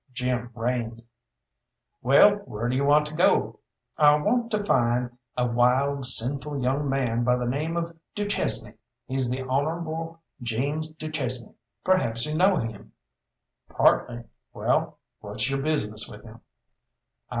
Jim reined. "Well, where do you want to go?" "I want to find a wild, a sinful young man by the name of du Chesnay. He's the Honourable James du Chesnay. Perhaps you know him?" "Partly. Well, what's your business with him?"